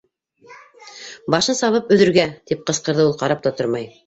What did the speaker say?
—Башын сабып өҙөргә! —тип ҡысҡырҙы ул, ҡарап та тормай.